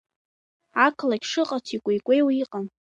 Ақалақь шыҟац икәеикәеиуа иҟан.